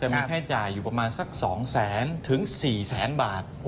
จะมีค่าจ่ายอยู่ประมาณสัก๒๐๐หรือ๔๐๐๐๐๐บาท